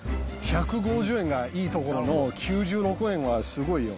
１５０円がいいところの９６円はすごいよ。